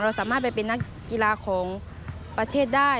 สามารถไปเป็นนักกีฬาของประเทศได้